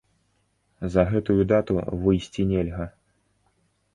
За гэтую дату выйсці нельга.